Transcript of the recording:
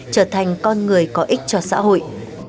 trở thành con người có ích cho xã hội